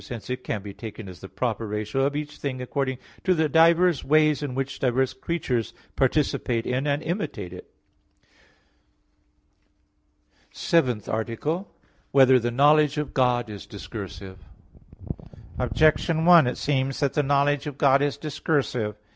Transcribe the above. Hence it can be taken as the proper ratio of each thing according to the diverse ways in which diverse creatures participate in, and imitate it. _______________________ SEVENTH ARTICLE [I, Q. 14, Art. 7] Whether the Knowledge of God Is Discursive? Objection 1: It seems that the knowledge of God is discursive.